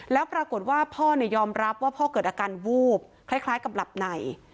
แล้วปรากฏว่าพ่อยอมรับว่าพ่อเกิดอาการวูบคล้ายกับหลับใน